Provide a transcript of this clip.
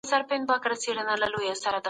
علم ته د عبادت په سترګه وګورئ.